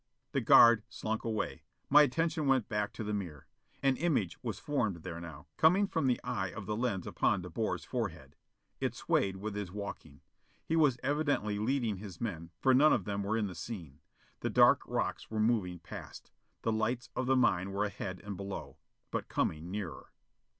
The guard slunk away. My attention went back to the mirror. An image was formed there now, coming from the eye of the lens upon De Boer's forehead. It swayed with his walking. He was evidently leading his men, for none of them were in the scene. The dark rocks were moving past. The lights of the mine were ahead and below, but coming nearer.